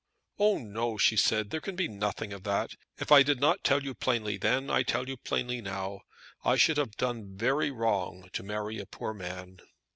"Oh, no," she said; "there can be nothing of that. If I did not tell you plainly then, I tell you plainly now. I should have done very wrong to marry a poor man."